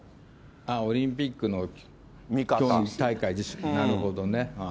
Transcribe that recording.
オリンピックの競技大会、なるほどね。